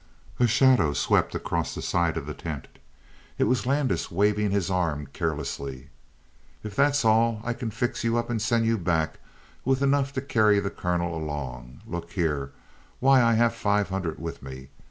A shadow swept across the side of the tent; it was Landis waving his arm carelessly. "If that's all, I can fix you up and send you back with enough to carry the colonel along. Look here why, I have five hundred with me.